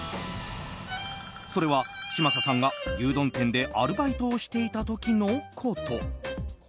それは、嶋佐さんが牛丼店でアルバイトをしていた時のこと。